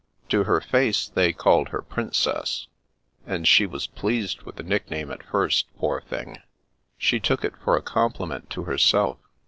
To her face, they called her * Princess,' and she was pleased with the nickname at first, poor thing. She took it for a compliment to herself.